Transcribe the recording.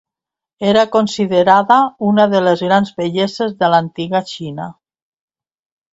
Era considerada una de les grans belleses de l'antiga Xina.